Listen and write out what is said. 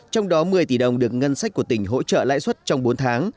trong đó một mươi tỷ đồng được ngân sách của tỉnh hỗ trợ lãi suất trong bốn tháng